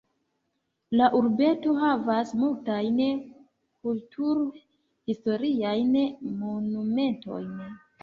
La urbeto havas multajn kultur-historiajn monumentojn.